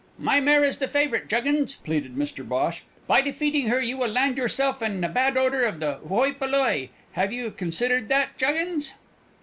"My mare is the favourite, Juggins!" pleaded Mr Bhosh. "By defeating her you will land yourself in the bad odour of the oi polloi. Have you considered that, Juggins?"